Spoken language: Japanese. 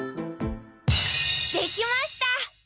できました！